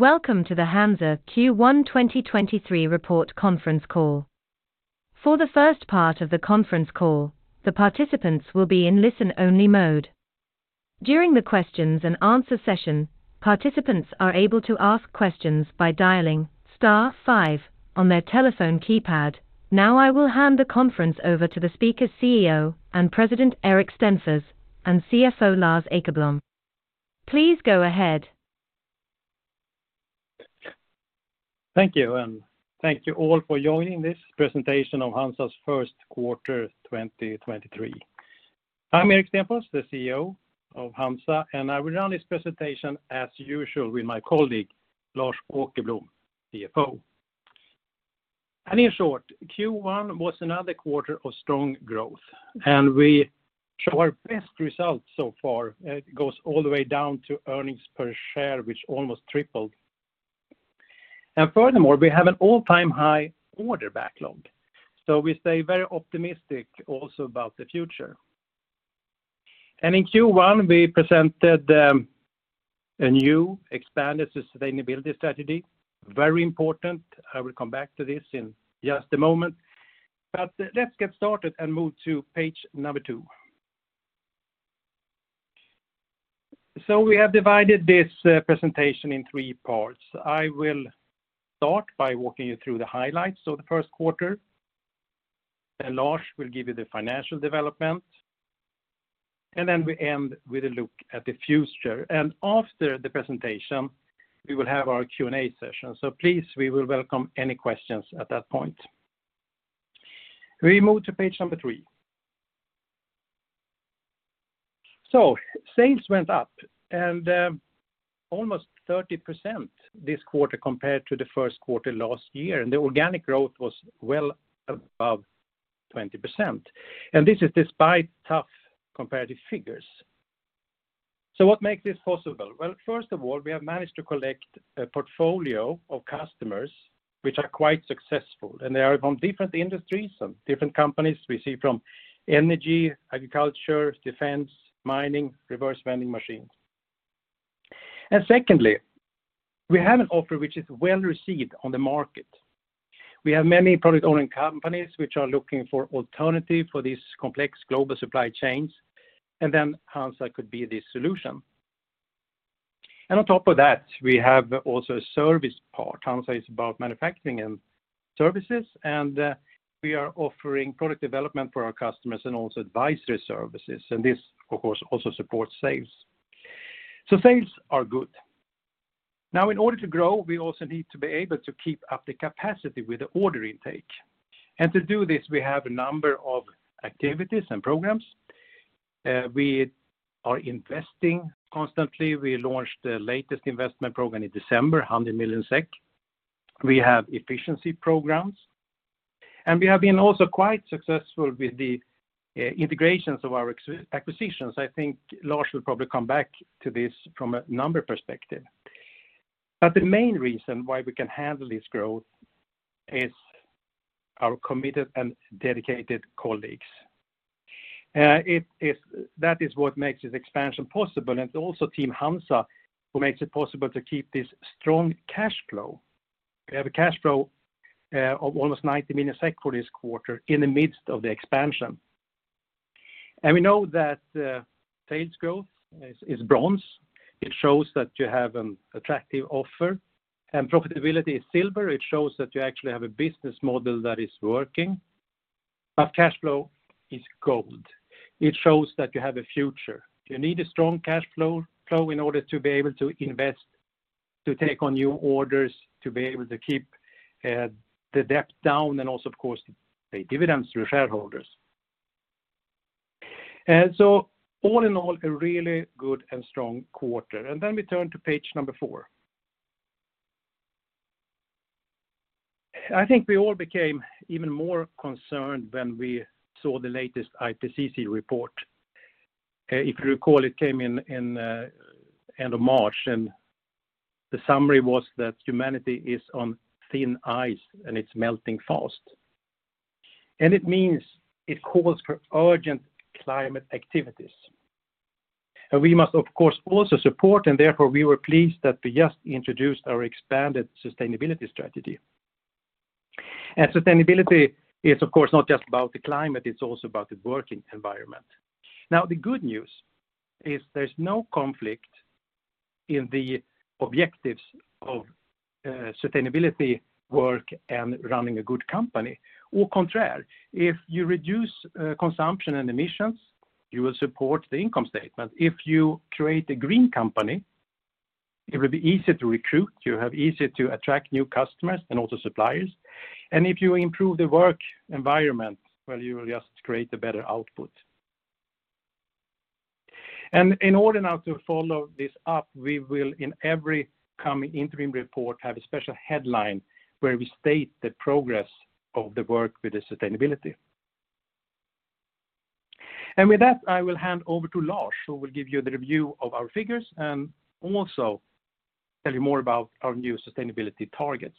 Welcome to the HANZA Q1 2023 report conference call. For the first part of the conference call, the participants will be in listen-only mode. During the questions and answer session, participants are able to ask questions by dialing star five on their telephone keypad. Now I will hand the conference over to the speaker CEO and President, Erik Stenfors, and CFO Lars Åkerblom. Please go ahead. Thank you, thank you all for joining this presentation of HANZA's first quarter 2023. I'm Erik Stenfors, the CEO of HANZA, and I will run this presentation as usual with my colleague Lars Åkerblom, CFO. In short, Q1 was another quarter of strong growth, and we show our best results so far. It goes all the way down to earnings per share, which almost tripled. Furthermore, we have an all-time high order backlog, so we stay very optimistic also about the future. In Q1, we presented a new expanded sustainability strategy. Very important. I will come back to this in just a moment, but let's get started and move to page number 2. We have divided this presentation in 3 parts. I will start by walking you through the highlights of the first quarter, then Lars will give you the financial development, then we end with a look at the future. After the presentation, we will have our Q&A session. Please, we will welcome any questions at that point. We move to page number 3. Sales went up almost 30% this quarter compared to the first quarter last year, the organic growth was well above 20%. This is despite tough comparative figures. What makes this possible? First of all, we have managed to collect a portfolio of customers which are quite successful, they are from different industries and different companies. We see from energy, agriculture, defense, mining, reverse vending machines. Secondly, we have an offer which is well-received on the market. We have many product-owning companies which are looking for alternative for these complex global supply chains, then HANZA could be the solution. On top of that, we have also a service part. HANZA is about manufacturing and services, and we are offering product development for our customers and also advisory services. This of course also supports sales. Sales are good. Now in order to grow, we also need to be able to keep up the capacity with the order intake. To do this, we have a number of activities and programs. We are investing constantly. We launched the latest investment program in December, 100 million SEK. We have efficiency programs, and we have been also quite successful with the integrations of our acquisitions. I think Lars will probably come back to this from a number perspective. The main reason why we can handle this growth is our committed and dedicated colleagues. That is what makes this expansion possible and also team HANZA who makes it possible to keep this strong cash flow. We have a cash flow of almost 90 million SEK for this quarter in the midst of the expansion. We know that sales growth is bronze. It shows that you have an attractive offer, profitability is silver. It shows that you actually have a business model that is working. Cash flow is gold. It shows that you have a future. You need a strong cash flow in order to be able to invest, to take on new orders, to be able to keep the debt down and also of course, pay dividends to your shareholders. All in all, a really good and strong quarter. We turn to page 4. I think we all became even more concerned when we saw the latest IPCC report. If you recall, it came in end of March, and the summary was that humanity is on thin ice, and it's melting fast. It means it calls for urgent climate activities. We must of course also support, and therefore we were pleased that we just introduced our expanded sustainability strategy. Sustainability is of course not just about the climate, it's also about the working environment. Now, the good news is there's no conflict in the objectives of sustainability work and running a good company. Au contraire, if you reduce consumption and emissions, you will support the income statement. If you create a green company, it will be easier to recruit, you have easier to attract new customers and also suppliers. If you improve the work environment, well, you will just create a better output. In order now to follow this up, we will in every coming interim report have a special headline where we state the progress of the work with the sustainability. With that, I will hand over to Lars, who will give you the review of our figures and also tell you more about our new sustainability targets.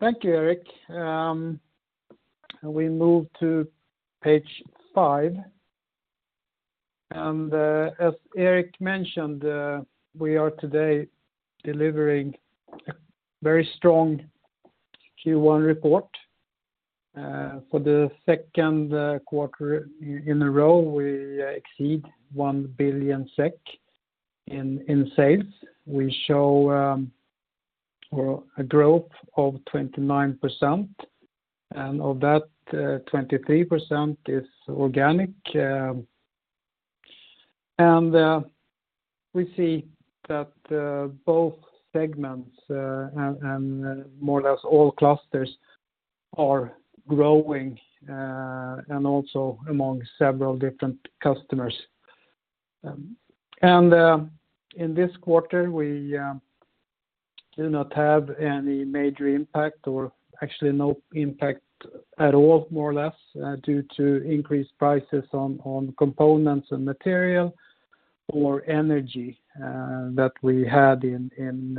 Thank you, Erik. We move to page five. As Erik mentioned, we are today delivering a very strong Q1 report. For the second quarter in a row, we exceed 1 billion SEK in sales. We show, well, a growth of 29%. Of that, 23% is organic. We see that both segments, and more or less all clusters are growing, and also among several different customers. In this quarter, we do not have any major impact or actually no impact at all, more or less, due to increased prices on components and material or energy, that we had in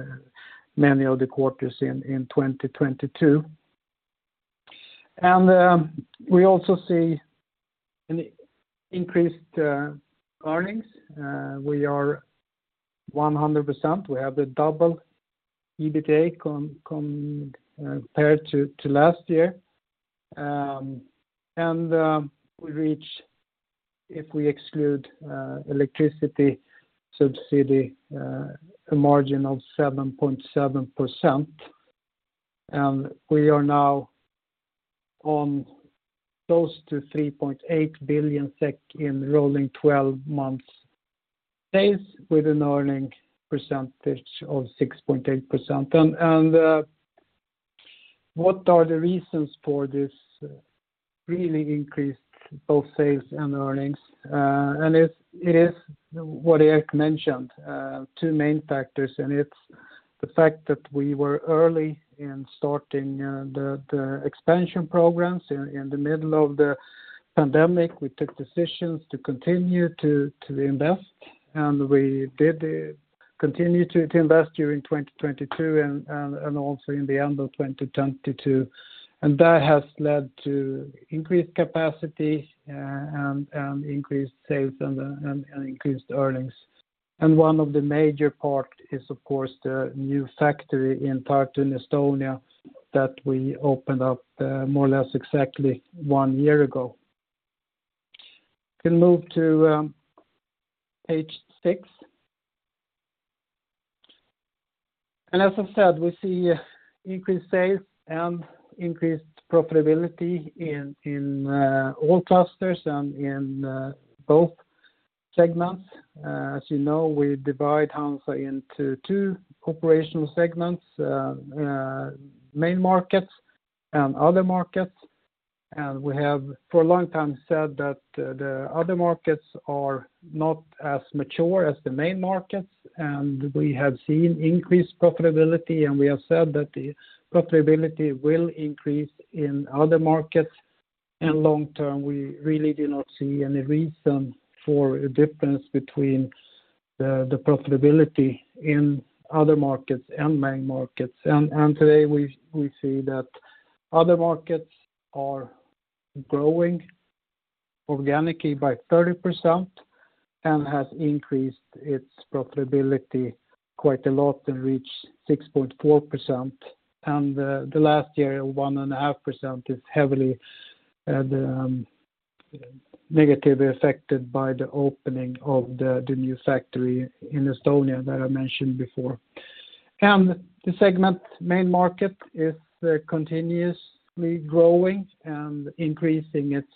many of the quarters in 2022. We also see an increased earnings. We are 100%. We have the double EBITA compared to last year. We reach, if we exclude electricity subsidy, a margin of 7.7%. We are now on close to 3.8 billion SEK in rolling 12 months sales with an earning percentage of 6.8%. What are the reasons for this really increased both sales and earnings? It's what Erik mentioned, two main factors, and it's the fact that we were early in starting the expansion programs in the middle of the pandemic. We took decisions to continue to invest, and we did continue to invest during 2022 and also in the end of 2022. That has led to increased capacity, and increased sales and increased earnings. One of the major part is of course, the new factory in Tartu, Estonia, that we opened up more or less exactly one year ago. Can move to page 6. As I said, we see increased sales and increased profitability in all clusters and in both segments. As you know, we divide HANZA into two operational segments, Main Markets and Other Markets. We have for a long time said that the Other Markets are not as mature as the Main Markets, and we have seen increased profitability, and we have said that the profitability will increase in Other Markets. Long term, we really do not see any reason for a difference between the profitability in Other Markets and Main Markets. Today we see that Other Markets are growing organically by 30% and has increased its profitability quite a lot and reached 6.4%. The last year, 1.5% is heavily negatively affected by the opening of the new factory in Estonia that I mentioned before. The segment Main Markets is continuously growing and increasing its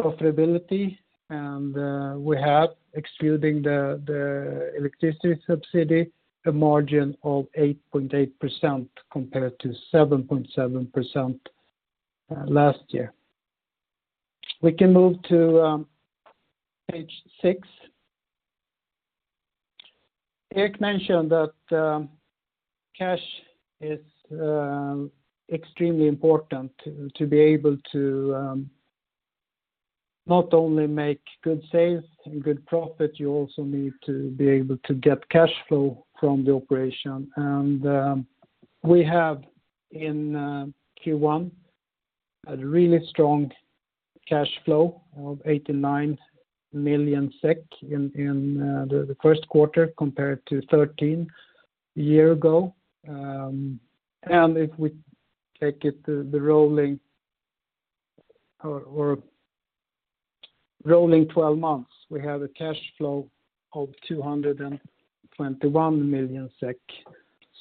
profitability. We have, excluding the electricity subsidy, a margin of 8.8% compared to 7.7% last year. We can move to page 6. Erik mentioned that cash is extremely important to be able to not only make good sales and good profit, you also need to be able to get cash flow from the operation. We have in Q1 a really strong cash flow of 89 million SEK in the first quarter compared to 13 a year ago. If we take it the rolling twelve months, we have a cash flow of 221 million SEK.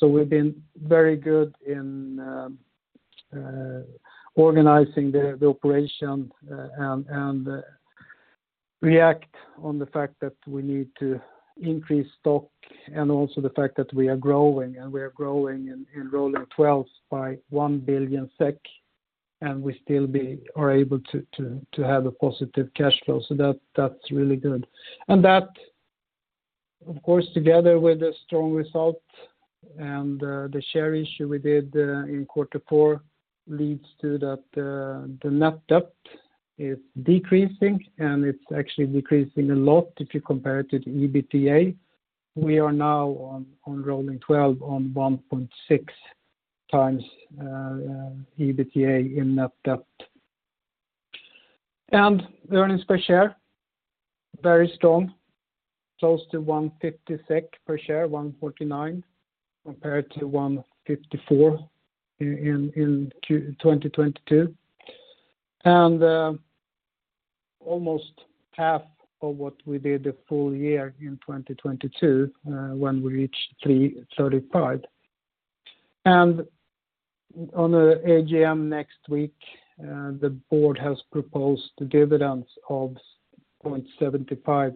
We've been very good in organizing the operation and react on the fact that we need to increase stock and also the fact that we are growing, and we are growing in rolling twelves by 1 billion SEK, and we still are able to have a positive cash flow. That's really good. That, of course, together with a strong result and the share issue we did in quarter four, leads to that the net debt is decreasing, and it's actually decreasing a lot if you compare it to the EBITA. We are now on rolling 12 on 1.6x EBITDA in net debt. The earnings per share, very strong, close to 150 SEK per share, 149 compared to 154 in 2022. Almost half of what we did the full year in 2022, when we reached 335. On the AGM next week, the board has proposed a dividend of 0.75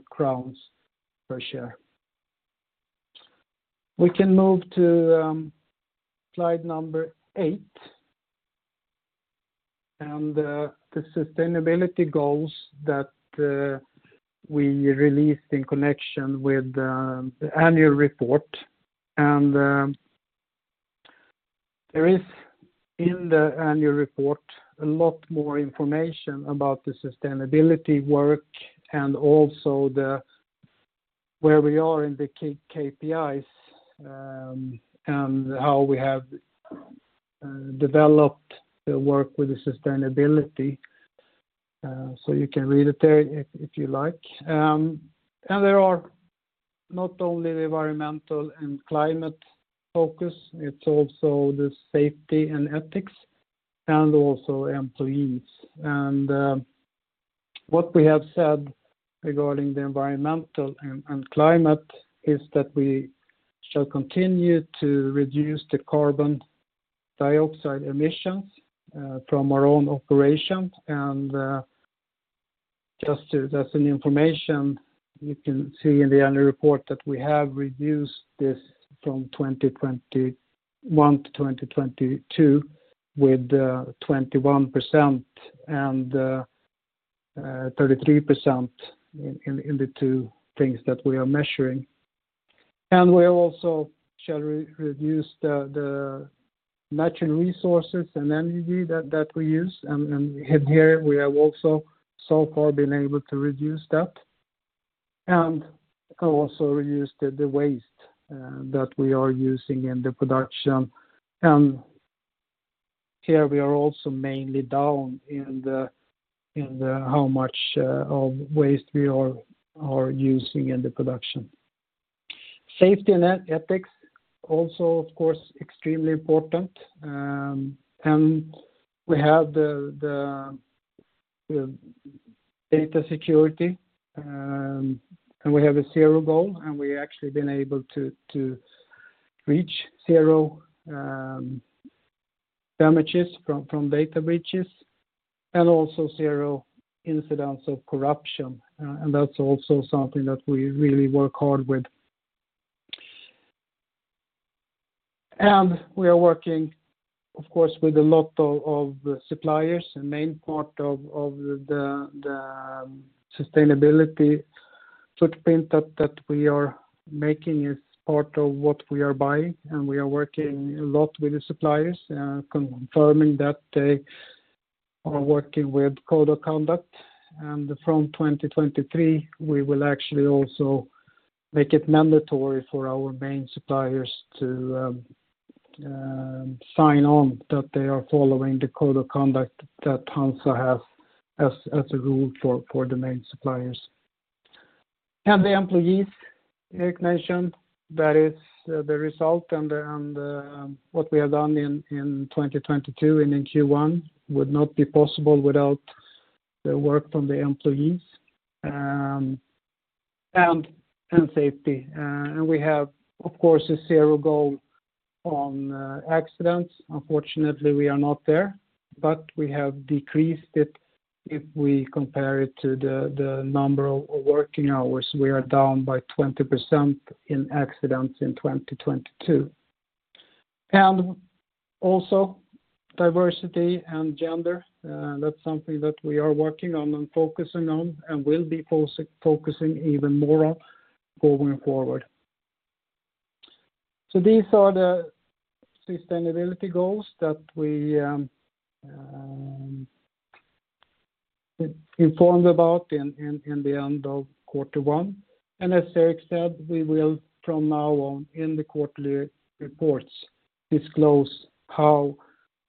crowns per share. We can move to slide 8. The sustainability goals that we released in connection with the annual report. There is in the annual report a lot more information about the sustainability work and also where we are in the KPIs, and how we have developed the work with the sustainability, so you can read it there if you like. There are not only the environmental and climate focus, it's also the safety and ethics, and also employees. What we have said regarding the environmental and climate is that we shall continue to reduce the carbon dioxide emissions from our own operations. Just as an information, you can see in the annual report that we have reduced this from 2021 to 2022 with 21% and 33% in the two things that we are measuring. We also shall re-reduce the natural resources and energy that we use. Here we have also so far been able to reduce that. Also reduce the waste that we are using in the production. Here we are also mainly down in the how much of waste we are using in the production. Safety and ethics also of course extremely important. We have the data security, and we have a zero goal, and we actually been able to reach zero damages from data breaches and also zero incidents of corruption. That's also something that we really work hard with. We are working of course with a lot of suppliers and main part of the sustainability footprint that we are making is part of what we are buying, and we are working a lot with the suppliers confirming that they are working with code of conduct. From 2023, we will actually also make it mandatory for our main suppliers to sign on that they are following the code of conduct that HANZA has as a rule for the main suppliers. The employees Erik mentioned, that is the result and what we have done in 2022 and in Q1 would not be possible without the work from the employees. Safety. We have of course a zero goal on accidents. Unfortunately, we are not there, but we have decreased it if we compare it to the number of working hours, we are down by 20% in accidents in 2022. Also diversity and gender, that's something that we are working on and focusing on and will be focusing even more on going forward. These are the sustainability goals that we informed about in the end of quarter one. As Erik said, we will from now on in the quarterly reports disclose how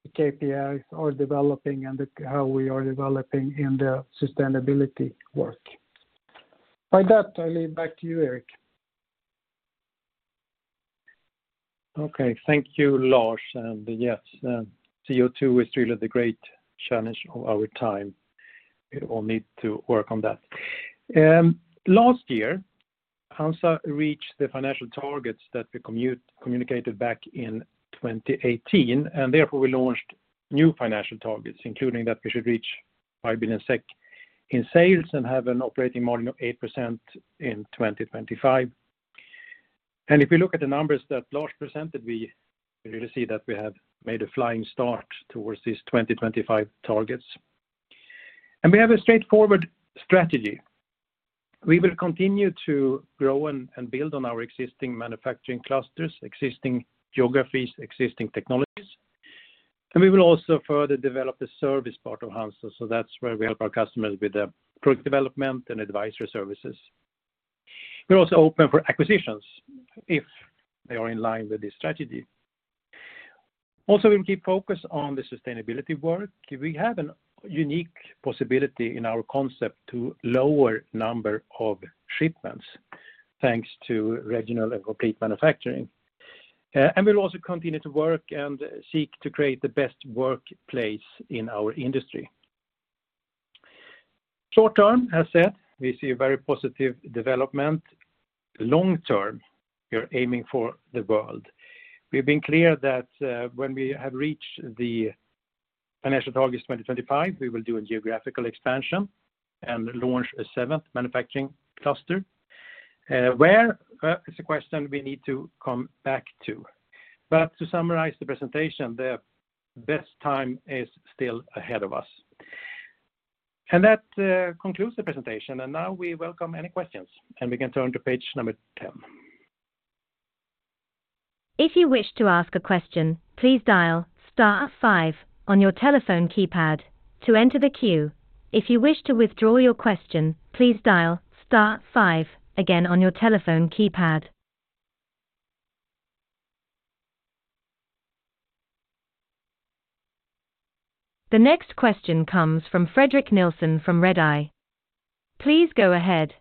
the KPIs are developing and how we are developing in the sustainability work. By that, I leave back to you, Erik. Okay. Thank you, Lars. Yes, CO2 is really the great challenge of our time. We all need to work on that. Last year, HANZA reached the financial targets that we communicated back in 2018, therefore we launched new financial targets, including that we should reach 5 billion SEK in sales and have an operating margin of 8% in 2025. If you look at the numbers that Lars presented, we really see that we have made a flying start towards these 2025 targets. We have a straightforward strategy. We will continue to grow and build on our existing manufacturing clusters, existing geographies, existing technologies. We will also further develop the service part of HANZA. That's where we help our customers with the product development and advisory services. We're also open for acquisitions if they are in line with this strategy. We keep focus on the sustainability work. We have an unique possibility in our concept to lower number of shipments, thanks to regional and complete manufacturing. We'll also continue to work and seek to create the best workplace in our industry. Short term, as said, we see a very positive development. Long term, we are aiming for the world. We've been clear that when we have reached the financial targets 2025, we will do a geographical expansion and launch a seventh manufacturing cluster. Where is a question we need to come back to. To summarize the presentation, the best time is still ahead of us. That concludes the presentation. Now we welcome any questions, and we can turn to page number 10. If you wish to ask a question, please dial star five on your telephone keypad to enter the queue. If you wish to withdraw your question, please dial star five again on your telephone keypad. The next question comes from Fredrik Nilsson from Redeye. Please go ahead.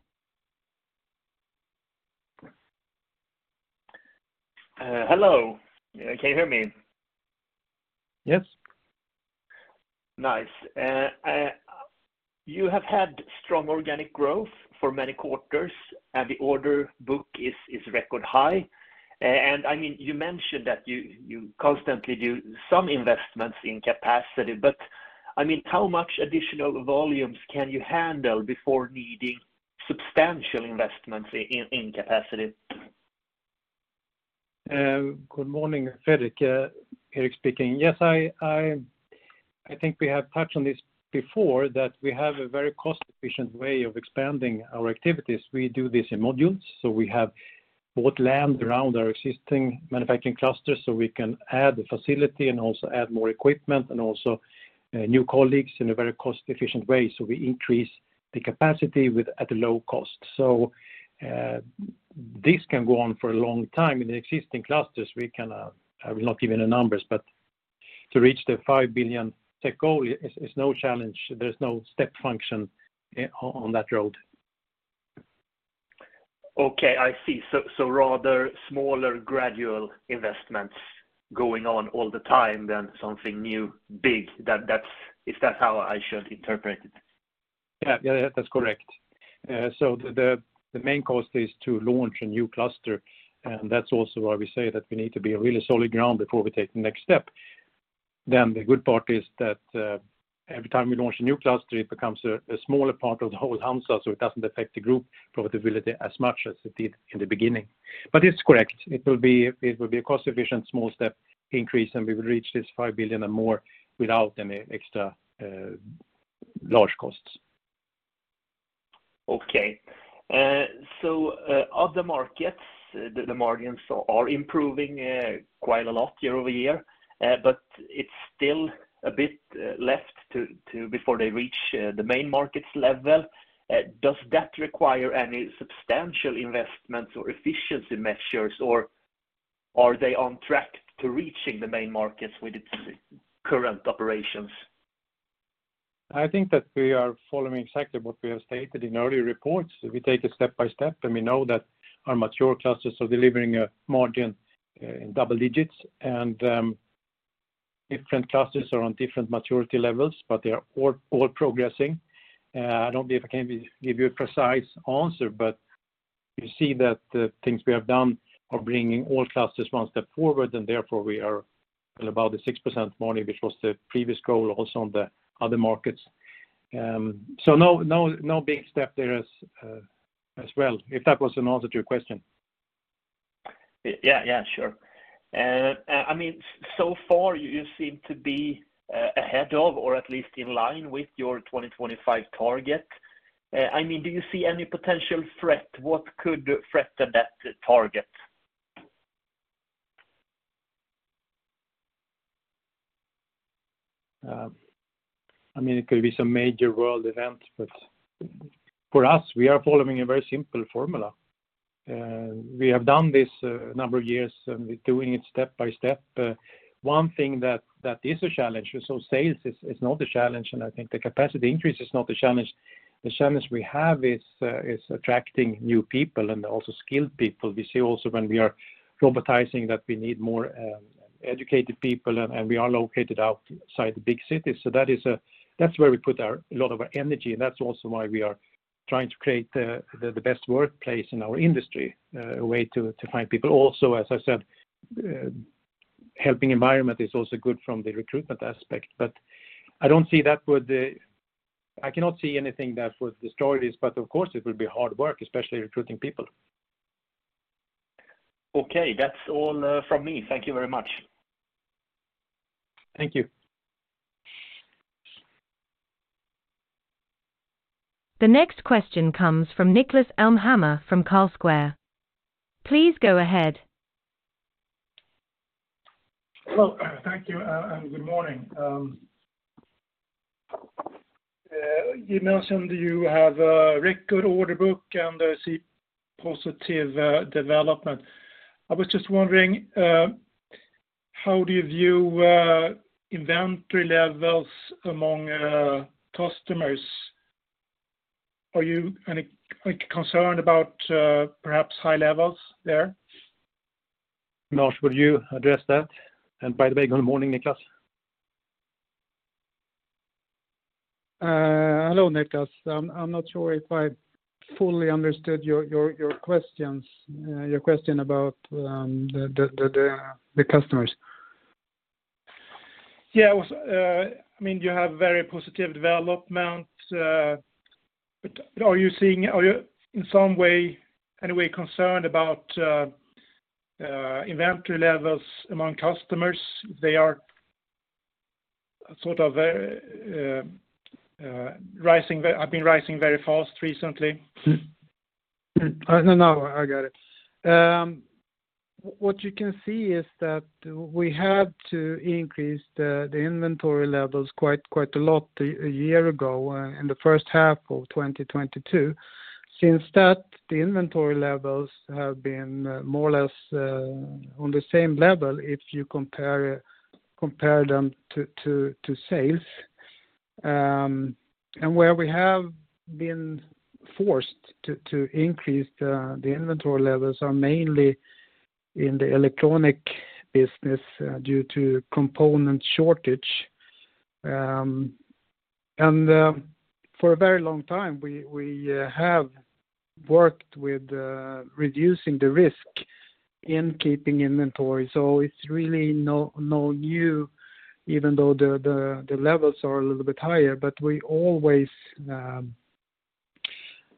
Hello. Can you hear me? Yes. Nice. You have had strong organic growth for many quarters, the order book is record high. I mean, you mentioned that you constantly do some investments in capacity, I mean, how much additional volumes can you handle before needing substantial investments in capacity? Good morning, Fredrik. Erik speaking. Yes, I think we have touched on this before that we have a very cost-efficient way of expanding our activities. We do this in modules, so we have bought land around our existing manufacturing clusters, so we can add the facility and also add more equipment and also new colleagues in a very cost-efficient way. We increase the capacity with at a low cost. This can go on for a long time. In the existing clusters, we can, I will not give you the numbers, but to reach the 5 billion tech goal is no challenge. There's no step function on that road. Okay, I see. Rather smaller gradual investments going on all the time than something new, big. That's... Is that how I should interpret it? Yeah, that's correct. The main cost is to launch a new cluster. That's also why we say that we need to be a really solid ground before we take the next step. The good part is that every time we launch a new cluster, it becomes a smaller part of the whole HANZA. It doesn't affect the group profitability as much as it did in the beginning. It's correct. It will be a cost-efficient small step increase. We will reach this 5 billion and more without any extra large costs. Okay. Other Markets, the margins are improving, quite a lot year-over-year, it's still a bit left to before they reach the Main Markets level. Does that require any substantial investments or efficiency measures, or are they on track to reaching the Main Markets with its current operations? I think that we are following exactly what we have stated in earlier reports. We take it step by step. We know that our mature clusters are delivering a margin in double digits. Different clusters are on different maturity levels, but they are all progressing. I don't believe I can give you a precise answer, but you see that the things we have done are bringing all clusters one step forward, and therefore we are at about the 6% margin, which was the previous goal also on the Other Markets. No, no big step there as well, if that was an answer to your question. Yeah, yeah, sure. I mean, so far, you seem to be ahead of or at least in line with your 2025 target. I mean, do you see any potential threat? What could threaten that target? I mean, it could be some major world event, but for us, we are following a very simple formula. We have done this a number of years, and we're doing it step by step. One thing that is a challenge, sales is not a challenge, and I think the capacity increase is not a challenge. The challenge we have is attracting new people and also skilled people. We see also when we are robotizing that we need more educated people, and we are located outside the big city. That's where we put our, a lot of our energy, and that's also why we are trying to create the best workplace in our industry, a way to find people. As I said, helping environment is also good from the recruitment aspect. I cannot see anything that would destroy this, but of course, it will be hard work, especially recruiting people. Okay. That's all from me. Thank you very much. Thank you. The next question comes from Niklas Elmhammer from Carlsquare. Please go ahead. Hello. Thank you and good morning. You mentioned you have a record order book, and I see positive development. I was just wondering, how do you view inventory levels among customers? Are you any, like, concerned about perhaps high levels there? Lars, would you address that? By the way, good morning, Niklas. Hello, Niklas. I'm not sure if I fully understood your questions, your question about the customers. Yeah. It was, I mean, you have very positive development. Are you in some way, any way concerned about inventory levels among customers? They are sort of, have been rising very fast recently. No, I got it. What you can see is that we had to increase the inventory levels quite a lot a year ago in the first half of 2022. Since that, the inventory levels have been more or less on the same level if you compare them to sales. Where we have been forced to increase the inventory levels are mainly in the electronic business due to component shortage. For a very long time, we have worked with reducing the risk in keeping inventory, so it's really no new, even though the levels are a little bit higher. We always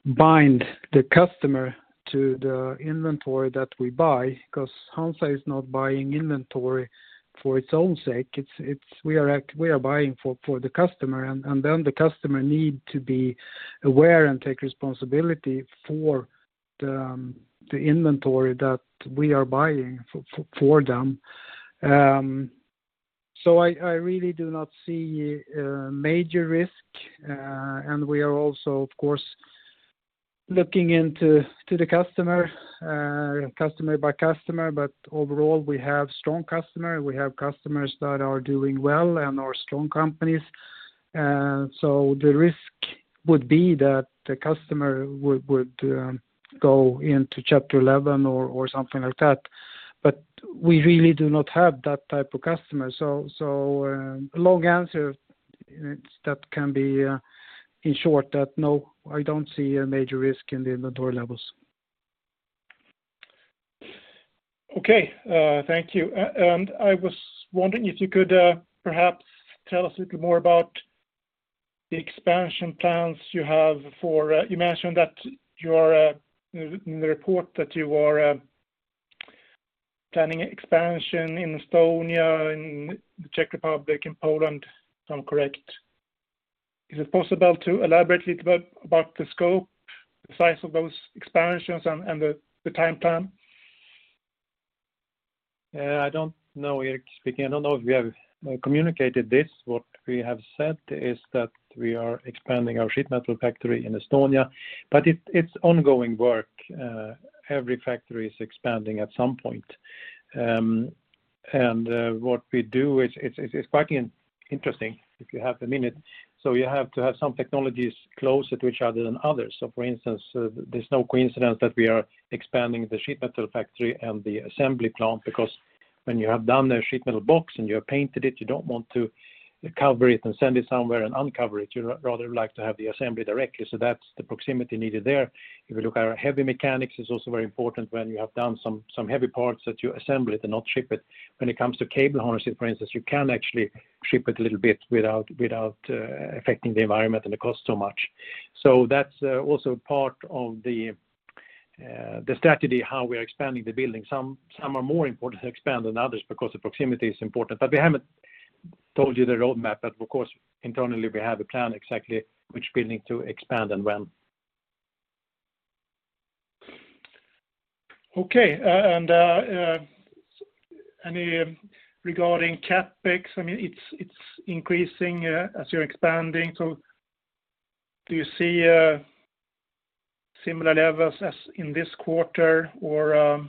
bind the customer to the inventory that we buy because HANZA is not buying inventory for its own sake. It's we are act... We are buying for the customer, and then the customer need to be aware and take responsibility for the inventory that we are buying for them. I really do not see a major risk. We are also, of course, looking into the customer by customer. Overall, we have strong customer. We have customers that are doing well and are strong companies. The risk would be that the customer would go into Chapter 11 or something like that, but we really do not have that type of customer. A long answer that can be in short, that no, I don't see a major risk in the inventory levels. Okay. thank you. I was wondering if you could, perhaps tell us a little more about the expansion plans you have for. You mentioned that you are, in the report, that you are, planning expansion in Estonia, in the Czech Republic, in Poland, if I'm correct. Is it possible to elaborate a little bit about the scope, the size of those expansions and the time plan? I don't know, Erik. Speaking, I don't know if we have communicated this. What we have said is that we are expanding our sheet metal factory in Estonia, but it's ongoing work. Every factory is expanding at some point. And what we do is, it's quite interesting, if you have a minute. You have to have some technologies closer to each other than others. For instance, there's no coincidence that we are expanding the sheet metal factory and the assembly plant because when you have done the sheet metal box and you have painted it, you don't want to cover it and send it somewhere and uncover it. You'd rather like to have the assembly directly. That's the proximity needed there. If you look at our heavy mechanics, it's also very important when you have done some heavy parts that you assemble it and not ship it. When it comes to cable harnessing, for instance, you can actually ship it a little bit without affecting the environment and the cost so much. That's also part of the strategy, how we are expanding the building. Some are more important to expand than others because the proximity is important. We haven't told you the roadmap, but of course, internally, we have a plan exactly which building to expand and when. Okay. Any regarding CapEx? I mean, it's increasing, as you're expanding, do you see similar levels as in this quarter, or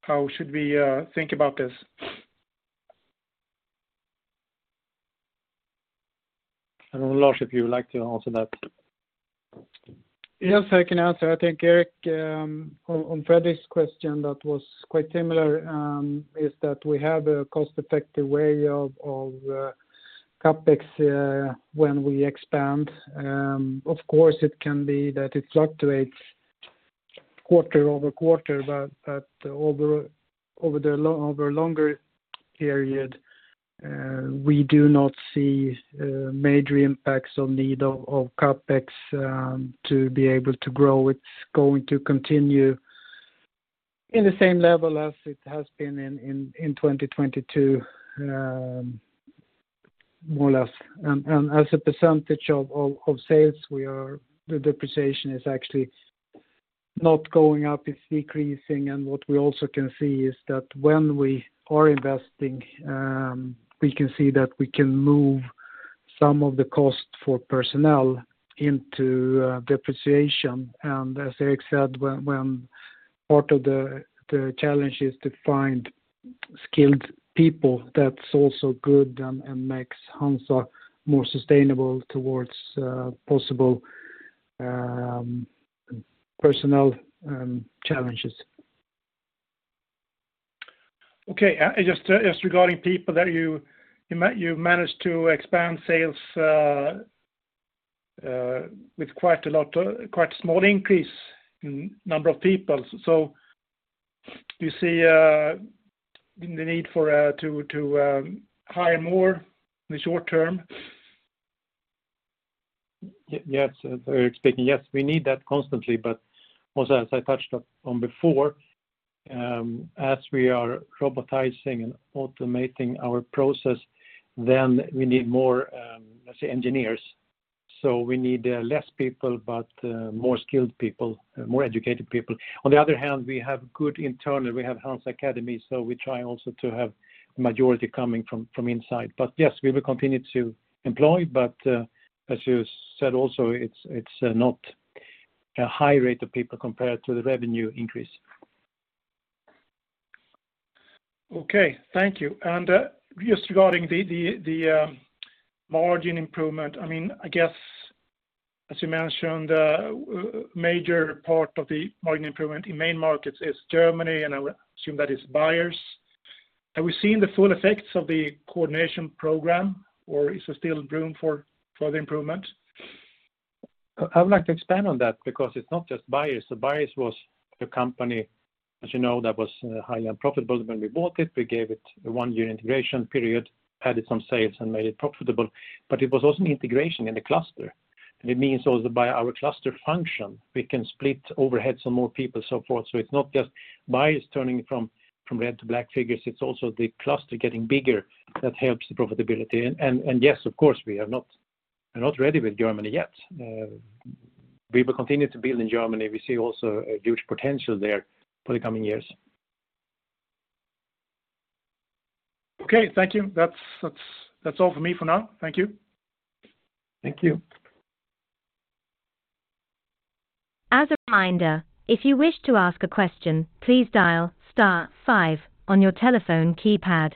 how should we think about this? I don't know, Lars, if you would like to answer that. Yes, I can answer. I think, Erik, on Freddy's question that was quite similar, is that we have a cost-effective way of CapEx when we expand. Of course, it can be that it fluctuates quarter-over-quarter, but over a longer period, we do not see major impacts on need of CapEx to be able to grow. It's going to continue. In the same level as it has been in 2022, more or less. As a % of sales, the depreciation is actually not going up, it's decreasing. What we also can see is that when we are investing, we can see that we can move some of the cost for personnel into depreciation. As Erik said, when part of the challenge is to find skilled people, that's also good and makes HANZA more sustainable towards possible personnel challenges. Okay. Just regarding people that you managed to expand sales, with quite a lot, quite a small increase in number of people. You see, the need for, to hire more in the short term? Yes, Eric speaking. Yes, we need that constantly. Also, as I touched on before, as we are robotizing and automating our process, then we need more, let's say, engineers. We need less people, but more skilled people, more educated people. On the other hand, we have good internal. We have HANZA Academy, we try also to have majority coming from inside. Yes, we will continue to employ. As you said also, it's not a high rate of people compared to the revenue increase. Okay. Thank you. Just regarding the margin improvement, I mean, I guess as you mentioned, the major part of the margin improvement in Main Markets is Germany, and I would assume that is Beyers. Have we seen the full effects of the coordination program, or is there still room for further improvement? I would like to expand on that because it's not just Beyers. The Beyers was the company, as you know, that was highly unprofitable when we bought it. We gave it a one-year integration period, added some sales, and made it profitable. It was also an integration in the cluster. It means also by our cluster function, we can split overheads on more people, so forth. It's not just Beyers turning from red to black figures, it's also the cluster getting bigger that helps the profitability. Yes, of course, we're not ready with Germany yet. We will continue to build in Germany. We see also a huge potential there for the coming years. Okay. Thank you. That's all for me for now. Thank you. Thank you. As a reminder, if you wish to ask a question, please dial star five on your telephone keypad.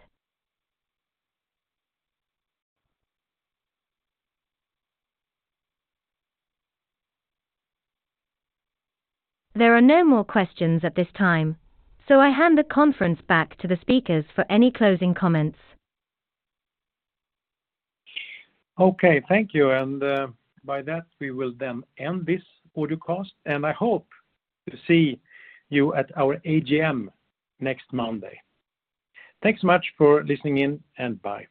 There are no more questions at this time. I hand the conference back to the speakers for any closing comments. Okay, thank you. By that, we will end this podcast. I hope to see you at our AGM next Monday. Thanks so much for listening in, bye.